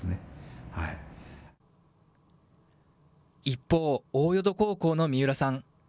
一方、大淀高校の三浦さん。